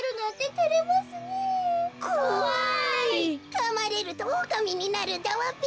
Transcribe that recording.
かまれるとおおかみになるんだわべ。